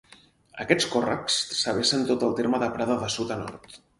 Aquests còrrecs travessen tot el terme de Prada de sud a nord.